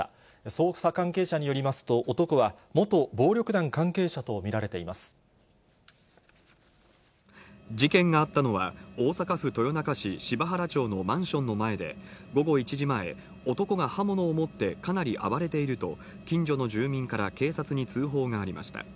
捜査関係者によりますと、男は、事件があったのは、大阪府豊中市柴原町のマンションの前で、午後１時前、男が刃物を持って、かなり暴れていると、近所の住民から警察に通報がありました。